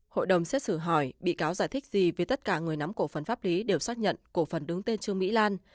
hội đồng xét xử hỏi bị cáo giải thích gì vì tất cả người nắm cổ phần pháp lý đều xác nhận cổ phần đứng tên trương mỹ lan